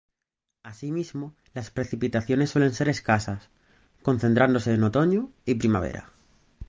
Asimismo, las precipitaciones suelen ser escasas, concentrándose en otoño y primavera.